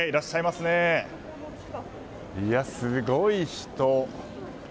すごい人。